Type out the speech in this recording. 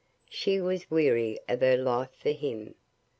She was weary of her life for him.